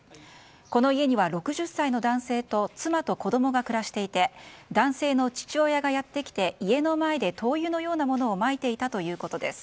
この家には６０歳の男性と妻と子供が暮していて男性の父親がやってきて家の前で灯油のようなものをまいていたということです。